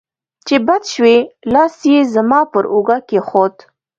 چې بچ شوې، لاس یې زما پر اوږه کېښود.